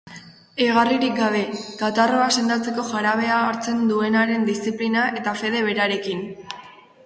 Egarririk gabe, katarroa sendatzeko jarabea hartzen duenaren diziplina eta fede berarekin.